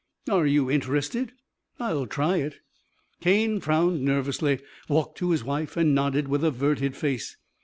"Are you interested?" "I'll try it." Cane frowned nervously, walked to his wife, and nodded with averted face.